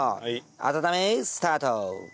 温めスタート。